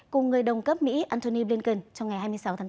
cùng người đồng cấp mỹ antony blinken trong ngày hai mươi sáu tháng bốn